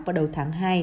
vào đầu tháng hai